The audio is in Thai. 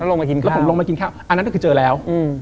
แล้วผมลงมากินข้าวอันนั้นก็คือเจอแล้ว